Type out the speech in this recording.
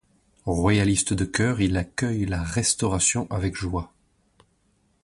Royaliste de cœur, il accueille la Restauration avec joie.